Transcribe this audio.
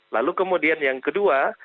lalu kemudian yang kedua